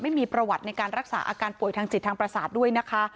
ไม่มีประวัติในการรักษาอาการป่วยทางจิตทางประสาทด้วยนะคะ